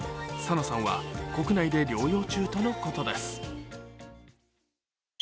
ＳＡＮＡさんは国内で療養中とのことです。